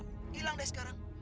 hilang deh sekarang